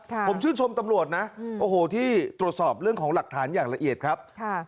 ผมชื่นชมตำรวจนะโอ้โหที่ตรวจสอบเรื่องของหลักฐานอย่างละเอียดครับ